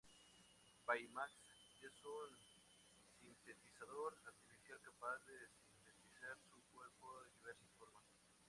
Baymax es un sintetizador artificial capaz de sintetizar su cuerpo en diversas formas.